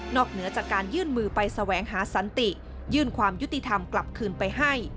เหนือจากการยื่นมือไปแสวงหาสันติยื่นความยุติธรรมกลับคืนไปให้